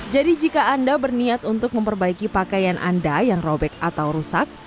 jadi jika anda berniat untuk memperbaiki pakaian anda yang robek atau rusak